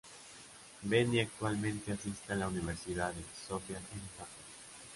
Beni actualmente asiste a la Universidad Sophia en Japón.